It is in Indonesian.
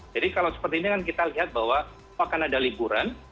jadi kalau seperti ini kan kita lihat bahwa akan ada liburan